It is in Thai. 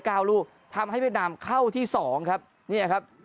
ลูกทำให้เวียดนามเข้าที่สองครับเนี่ยครับ